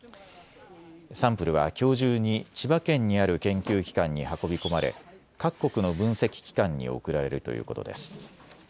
サンプルはきょう中に千葉県にある研究機関に運び込まれ各国の分析機関に送られるということです。